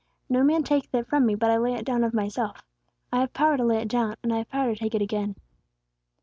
No man taketh it from me, but I lay it down of myself. I have power to lay it down, and I have power to take it again.'"